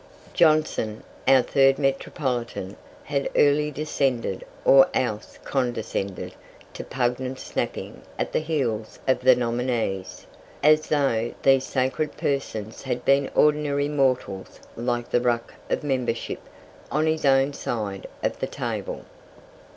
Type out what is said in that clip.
Johnson, our third metropolitan, had early descended, or else condescended, to pungent snapping at the heels of the nominees, as though these sacred persons had been ordinary mortals like the ruck of membership on his own side of the table.